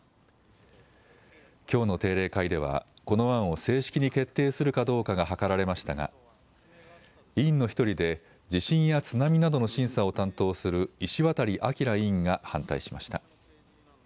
きょうの定例会ではこの案を正式に決定するかどうかが諮られましたが委員の１人で地震や津波などの審査を担当する石渡明委員が反対しました。